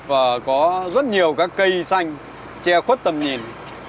và có rất nhiều các cây xanh che khuất tầm nhìn